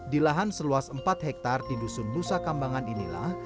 di lahan seluas empat hektare di dusun nusa kambangan inilah